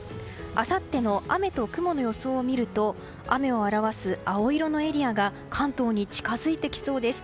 あさっての雨と雲の予想を見ると雨を表す青色のエリアが関東に近づいてきそうです。